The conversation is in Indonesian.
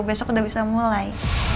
besok udah bisa mulai